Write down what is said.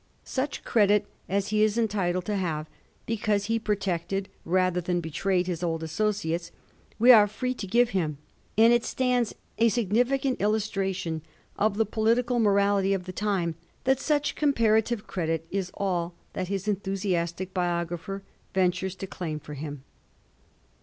Such credit as he is entitled to have, because he protected rather than betrayed his old associates, we are free to give him, and it stands a significant illustration of the political morality of the time that such comparative credit is idl that his enthusiastic biographer ventures to claim for him.